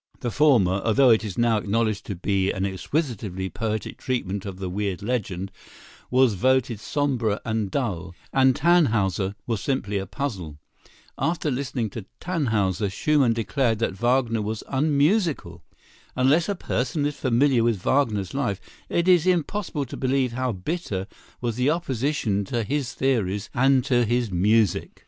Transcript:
The former, although it is now acknowledged to be an exquisitely poetic treatment of the weird legend, was voted sombre and dull, and "Tannhäuser" was simply a puzzle. After listening to "Tannhäuser," Schumann declared that Wagner was unmusical! Unless a person is familiar with Wagner's life, it is impossible to believe how bitter was the opposition to his theories and to his music.